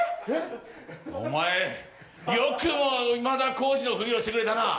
お前よくも今田耕司のふりをしてくれたな。